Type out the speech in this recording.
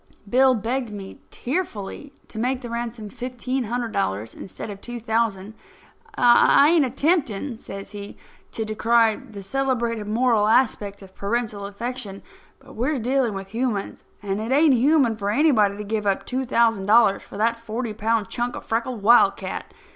Bill begged me tearfully to make the ransom fifteen hundred dollars instead of two thousand. "I ain't attempting," says he, "to decry the celebrated moral aspect of parental affection, but we're dealing with humans, and it ain't human for anybody to give up two thousand dollars for that forty pound chunk of freckled wildcat.